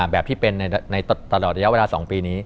แบบที่เป็นในตลอดระยะเวลา๒ปีนี้